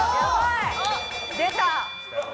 出た！